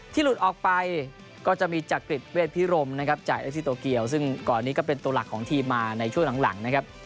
หลุดออกไปก็จะมีจักริตเวทพิรมนะครับจากเอฟซีโตเกียวซึ่งก่อนนี้ก็เป็นตัวหลักของทีมมาในช่วงหลังนะครับ